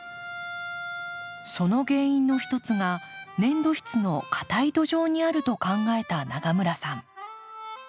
その原因の一つが粘土質のかたい土壌にあると考えた永村さん。